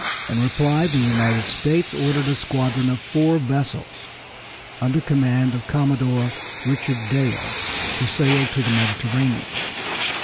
In reply the United States ordered a squadron of four vessels under command of Commodore Richard Dale to sail to the Mediterranean.